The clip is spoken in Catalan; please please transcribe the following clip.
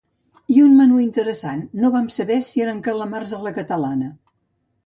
I un menú interessant, no vam saber si eren calamars a la catalana.